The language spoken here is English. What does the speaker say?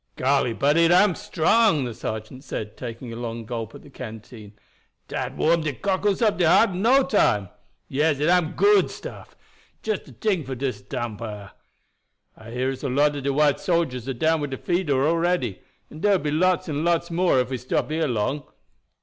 "Golly, but it am strong!" the sergeant said, taking a long gulp at the canteen. "Dat warm de cockles ob de heart in no time. Yes, it am good stuff just de ting for dis damp air. I hear as a lot of de white soldiers are down wid de fever already, and dere will be lots and lots more if we stop here long.